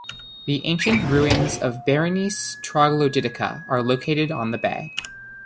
The ancient ruins of Berenice Troglodytica are located on the bay.